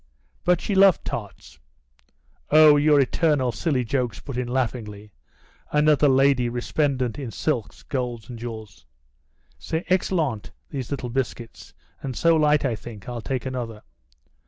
"But she loved tarts." "Oh, your eternal silly jokes!" put in, laughingly, another lady resplendent in silks, gold, and jewels. "C'est excellent these little biscuits, and so light. I think I'll take another."